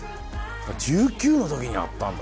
１９のときにあったんだ？